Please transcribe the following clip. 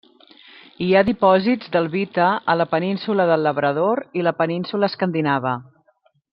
Hi ha dipòsits d'albita a la Península del Labrador i la península Escandinava.